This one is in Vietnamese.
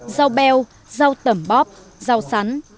rau beo rau tẩm bóp rau sắn